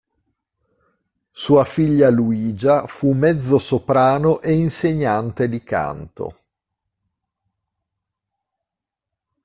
Sua figlia Luigia fu mezzosoprano e insegnante di canto.